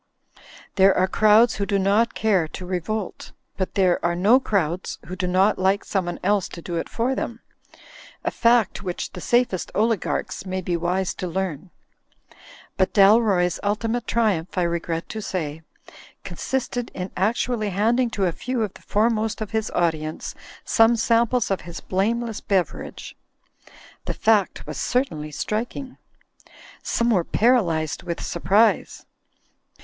There are crowds who do not care to revolt; but there are no crowds who do not like someone else to do it for them; a fact which the safest oligarchs may be wise to learn. But Dalroy's ultimate triumph (I regret to say) consisted in actually handing to a few of the foremost of his audience some samples of his blameless bever age. The fact was certainly striking. Some were paralysed with surprise.